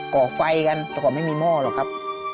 ก่อไฟกันแต่ก่อนไม่มีหม้อหรอกครับ